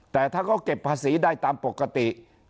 แต่ถ้าเขาเก็บภาษีได้ตามปกติ